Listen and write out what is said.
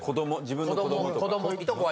自分の子供とか。